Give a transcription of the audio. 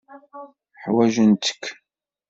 Ḥwajent-k.